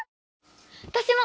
私も！